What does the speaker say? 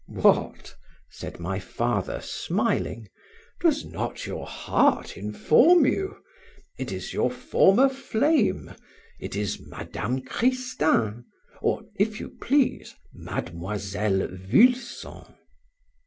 "What!" said my father smiling, "does not your heart inform you? It is your former flame, it is Madame Christin, or, if you please, Miss Vulson."